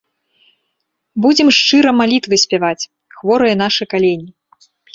Будзем шчыра малітвы спяваць, хворыя нашы калені.